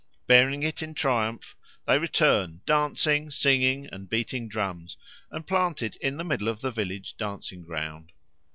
Bearing it in triumph they return dancing, singing, and beating drums, and plant it in the middle of the village dancing ground.